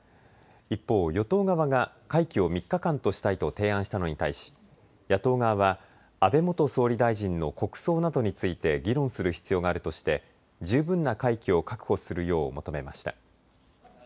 一方、与党側が会期を３日間としたいと提案したのに対し野党側は安倍元総理大臣の国葬などについて議論する必要があるとして十分な会期を確保するよう求めました。